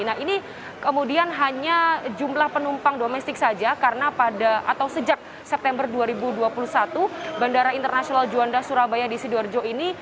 nah ini kemudian hanya jumlah penumpang domestik saja karena pada atau sejak september dua ribu dua puluh satu bandara internasional juanda surabaya di sidoarjo ini